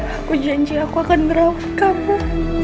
aku janji aku akan meraup kamu